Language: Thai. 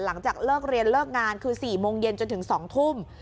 หลังจากเลิกเรียนเลิกงานคือ๔โมงเย็นจนถึง๒ทุ่ม